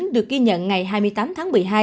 được ghi nhận ngày hai mươi tám tháng một mươi hai